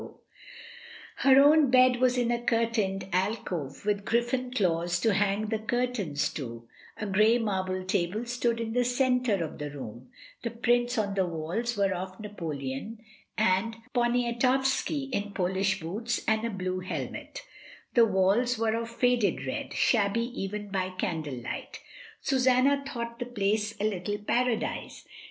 AT A WINDOW. 49 Her own bed was in a curtained algove, with griffin claws to hang the curtains to; a grey marble table stood in the centre of the room; the prints on the walls were of Napoleon, and Poniatowski in Polish boots and a blue helmet; the walls were of faded red, shabby even by candle light. Susanna thought the place a little paradise.